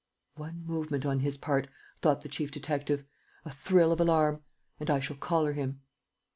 "One movement on his part," thought the chief detective, "a thrill of alarm; and I shall collar him."